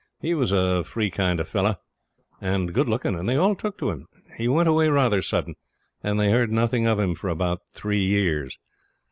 He was a free kind of fellow, and good looking, and they all took to him. He went away rather sudden, and they heard nothing of him for about three years.